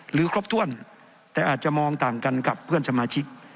หรือครบถ้วนแต่อาจจะมองต่างกันกับเพื่อนสมาชิก